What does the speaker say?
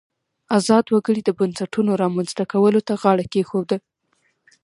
ازاد وګړي د بنسټونو رامنځته کولو ته غاړه کېښوده.